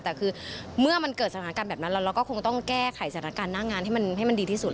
แต่คือเมื่อมันเกิดสถานการณ์แบบนั้นเราก็คงต้องแก้ไขสถานการณ์หน้างานให้มันดีที่สุด